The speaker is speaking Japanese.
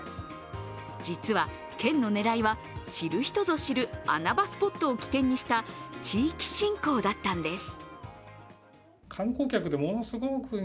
実は、県の狙いは、知る人ぞ知る穴場スポットを起点にした地域振興だったんです。